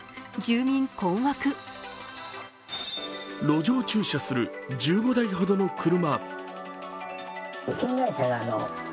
路上駐車する１５台ほどの車。